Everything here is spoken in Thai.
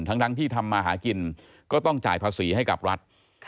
ทั้งที่ทำมาหากินก็ต้องจ่ายภาษีให้กับรัฐ